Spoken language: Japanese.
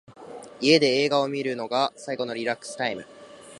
家で映画を観るのが最高のリラックスタイム。